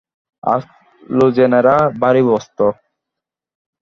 আজ লােজনেরা ভারি ব্যস্ত।